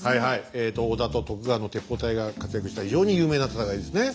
えと織田と徳川の鉄砲隊が活躍した非常に有名な戦いですね。